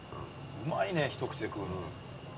うまいね一口で食うの。